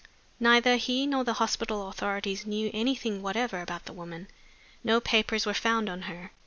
Neither he nor the hospital authorities knew anything whatever about the woman. No papers were found on her.